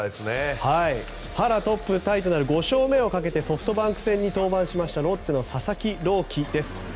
ハーラートップタイとなるソフトバンク戦に登板しましたロッテの佐々木朗希です。